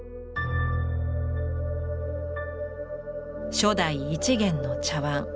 初代一元の茶碗。